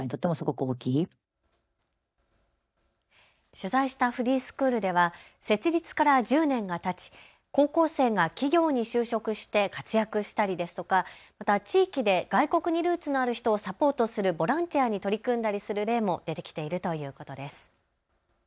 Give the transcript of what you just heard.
取材したフリースクールでは設立から１０年がたち高校生が企業に就職して活躍したりですとかまた地域で外国にルーツのある人をサポートするボランティアに取り組んだりする例も出てきているということです。